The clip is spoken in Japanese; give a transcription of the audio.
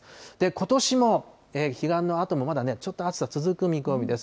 ことしも彼岸のあともまだね、ちょっと暑さ続く見込みです。